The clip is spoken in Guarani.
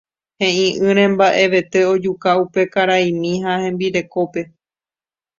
he'i'ỹre mba'evete ojuka upe karaimi ha hembirekópe.